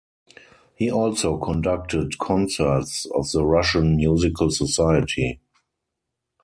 He also conducted concerts of the Russian Musical Society.